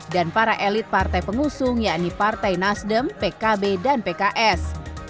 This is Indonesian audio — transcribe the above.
dan para elit partai pengusung yaitu partai nasdem pkb dan pks